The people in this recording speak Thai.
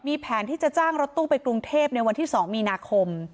มีแผนที่จะจ้างรถตู้ไปกรุงเทพในวันที่๒มีนาคม